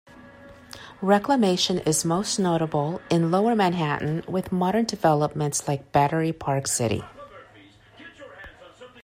Reclamation is most notable in Lower Manhattan with modern developments like Battery Park City.